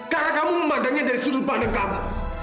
karena kamu memadanya dari sudut pandang kamu